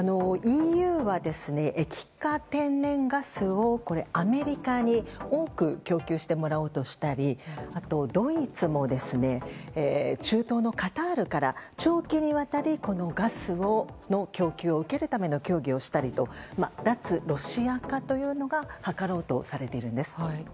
ＥＵは、液化天然ガスをアメリカに多く供給してもらおうとしたりドイツも中東のカタールから長期にわたりガスの供給を受けるための協議をしたりと脱ロシア化というのを図ろうとされているんです。